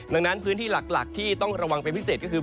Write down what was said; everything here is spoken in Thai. ดังนั้นพื้นที่หลักที่ต้องระวังเป็นพิเศษก็คือ